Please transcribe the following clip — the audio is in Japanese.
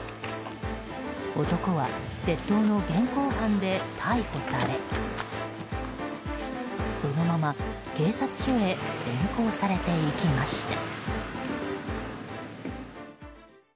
男は窃盗の現行犯で逮捕されそのまま警察署に連行されていきました。